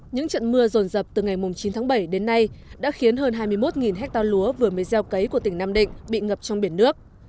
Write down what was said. những trận mưa rồn rập từ ngày chín tháng bảy đến nay đã khiến hơn hai mươi một hectare lúa vừa mới gieo cấy của tỉnh nam định bị ngập trong biển nước